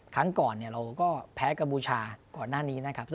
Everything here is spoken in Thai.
ครั้งก่อนเราก็แพ้กัมพูชาก่อนหน้านี้นะครับ